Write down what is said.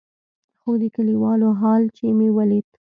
خو د کليوالو حال چې مې وليد.